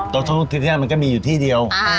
โต๊ะสนุกที่ที่นั่งมันก็มีอยู่ที่เดียว